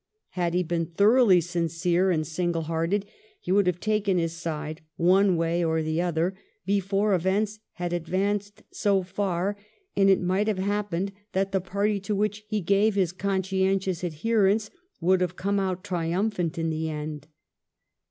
Had he been thoroughly sincere and single hearted he would have taken his side, one way or the other, before events had advanced so far, and it might have happened that the party to which he gave his conscientious adherence would have come out triumphant at the end.